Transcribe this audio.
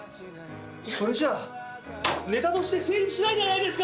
それじゃネタとして成立しないじゃないですか！